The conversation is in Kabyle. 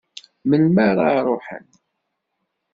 Melmi ara ruḥen?